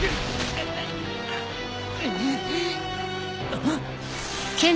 あっ。